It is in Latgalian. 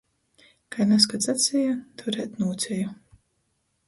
Kai nazkod saceja, – turēt nūceju.